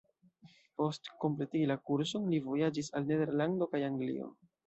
Post kompletigi la kurson, li vojaĝis al Nederlando kaj Anglio.